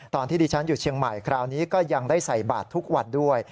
ตอนที่ดิฉันอยู่เชียงใหม่คราวนี้ก็ยังได้ใส่บาททุกวันด้วย